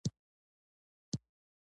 د باران بوی د پسرلي خوند لري.